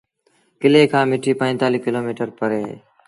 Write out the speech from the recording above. ڪلي کآݩ مٺيٚ پنجيتآليٚه ڪلو ميٚٽر پري اهي۔